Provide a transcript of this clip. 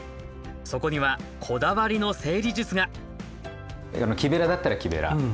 そこにはこだわりの整理術が木べらだったら木べら。